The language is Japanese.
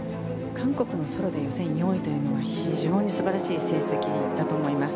韓国のソロで予選４位というのは非常に素晴らしい成績だと思います。